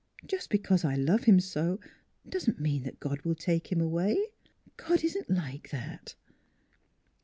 Just because I love him so doesn't mean that God will take him away. God isn't like that